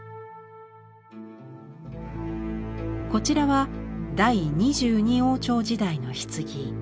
こちらは第２２王朝の時代の棺。